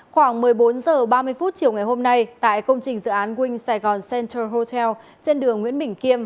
khoảng một mươi bốn h ba mươi chiều ngày hôm nay tại công trình dự án wing saigon center hotel trên đường nguyễn bình kiêm